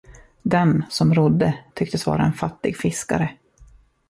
Den, som rodde, tycktes vara en fattig fiskare.